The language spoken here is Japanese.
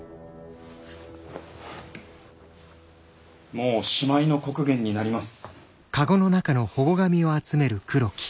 もうしまいの刻限になります。